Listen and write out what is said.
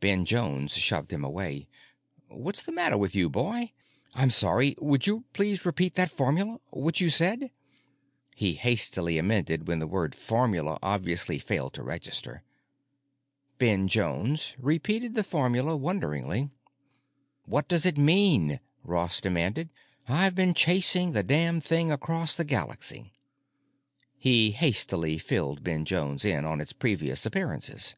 Ben Jones shoved him away. "What's the matter with you, boy?" "I'm sorry. Would you please repeat that formula? What you said?" he hastily amended when the word "formula" obviously failed to register. Ben Jones repeated the formula wonderingly. "What does it mean?" Ross demanded. "I've been chasing the damned thing across the Galaxy." He hastily filled Ben Jones in on its previous appearances.